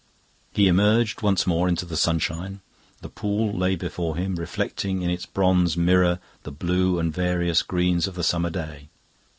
He emerged once more into the sunshine. The pool lay before him, reflecting in its bronze mirror the blue and various green of the summer day.